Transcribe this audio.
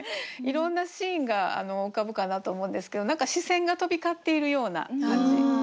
いろんなシーンが浮かぶかなと思うんですけど何か視線が飛び交っているような感じ。